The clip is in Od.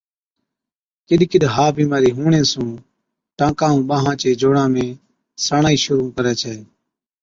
ڪِڏ ڪِڏ ها بِيمارِي هُوَڻي سُون ٽانڪان ائُون ٻانهان چي جوڙان ۾ ساڻائِي شرُوع ڪرَي ڇَي۔